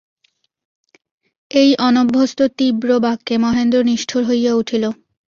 এই অনভ্যস্ত তীব্র বাক্যে মহেন্দ্র নিষ্ঠুর হইয়া উঠিল।